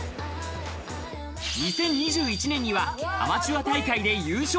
２０２１年にはアマチュア大会で優勝。